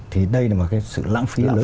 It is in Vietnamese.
thì đây là một sự lãng phí lớn cho xã hội